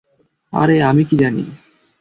আরে আমি কী জানি?